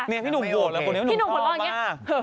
นี่พี่หนูกลัวเลยพี่หนูชอบมาก